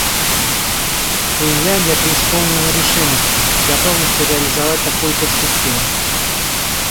Финляндия преисполнена решимости и готовности реализовать такую перспективу.